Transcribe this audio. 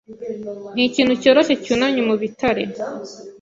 ni ikintu cyoroshye cyunamye mu bitare